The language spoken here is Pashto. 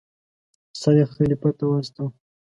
سر یې خلیفه ته واستاوه.